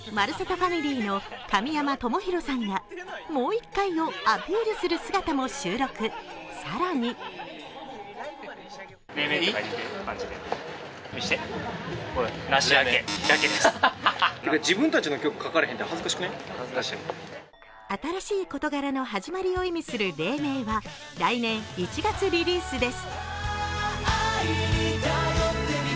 ファミリーの神山智洋さんが「もう１回」をアピールする姿も収録更に新しい事柄の始まりを意味する「黎明」は来年１月リリースです。